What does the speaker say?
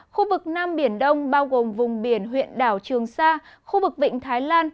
khu vực nam biển đông bao gồm vùng biển huyện đảo trường sa khu vực vịnh thái lan